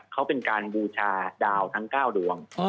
เขาเป็นการบูชาดาวทั้ง๙ดวง